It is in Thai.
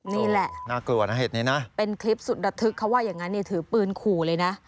นี่แหละเป็นคลิปสุดดะทึกเขาว่าอย่างนั้นถือปืนขู่เลยนะ